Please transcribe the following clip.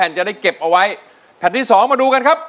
อีกสองแผ่นจะได้เก็บเอาไว้ขั้นที่สองมาดูกันครับ